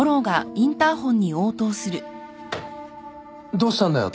・どうしたんだよ？